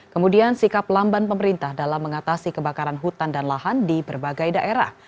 kemudian sikap lamban pemerintah dalam mengatasi kebakaran hutan dan lahan di berbagai daerah